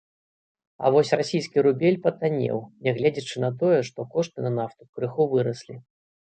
А вось расійскі рубель патаннеў, нягледзячы на тое, што кошты на нафту крыху выраслі.